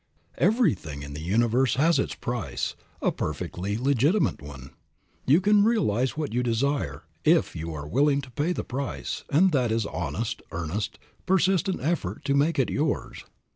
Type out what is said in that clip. Everything in the universe has its price, a perfectly legitimate one. You can realize what you desire if you are willing to pay the price, and that is honest, earnest, persistent effort to make it yours.